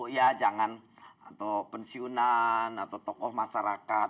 ya jangan atau pensiunan atau tokoh masyarakat